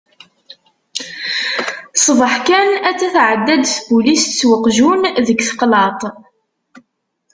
Ṣṣbeḥ kan atta tɛedda-d tpulist s uqjun deg teqlaṭ.